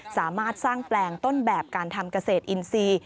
สามารถสร้างแปลงต้นแบบการทำเกษตรอินทรีย์